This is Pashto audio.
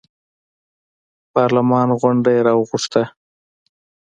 پارلمان غونډه یې راوغوښته.